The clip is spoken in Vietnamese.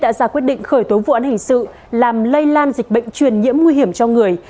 đã ra quyết định khởi tố vụ án hình sự làm lây lan dịch bệnh truyền nhiễm nguy hiểm cho người